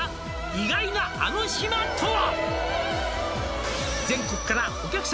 「意外なアノ島とは！？」